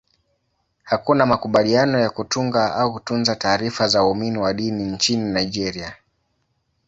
Hakuna makubaliano ya kutunga au kutunza taarifa za waumini wa dini nchini Nigeria.